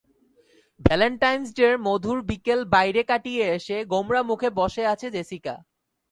Valentine's ডের মধুর বিকেল বাইরে কাটিয়ে এসে গোমড়ামুখে বসে আছে জেসিকা।